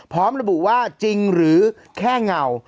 พร้อมระบุว่าจริงหรือแค่เงา